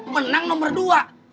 menang nomor dua